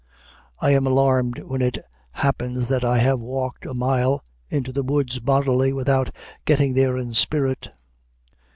I am alarmed when it happens that I have walked a mile into the woods bodily, without getting there in spirit.